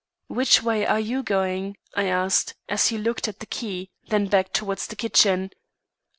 'Which way are you going?' I asked, as he looked at the key, then back towards the kitchen.